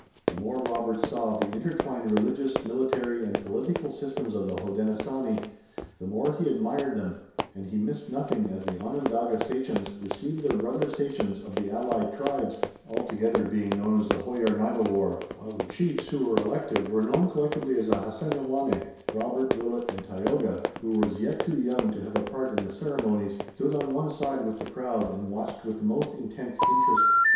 The more Robert saw of the intertwined religious, military and political systems of the Hodenosaunee, the more he admired them, and he missed nothing as the Onondaga sachems received their brother sachems of the allied tribes, all together being known as the Hoyarnagowar, while the chiefs who were elective were known collectively as the Hasehnowaneh. Robert, Willet, and Tayoga, who was yet too young to have a part in the ceremonies, stood on one side with the crowd and watched with the most intense interest.